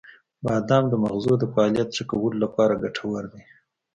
• بادام د مغزو د فعالیت ښه کولو لپاره ګټور دی.